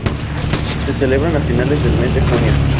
Se celebra a finales del mes de junio.